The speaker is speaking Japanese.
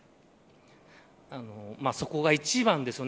そこが一番ですね。